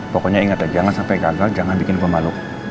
pokoknya ingat ya jangan sampai gagal jangan bikin gua malu